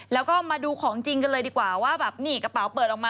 แล้วก็มาดูของจริงกันเลยดีกว่าว่าแบบนี่กระเป๋าเปิดออกมา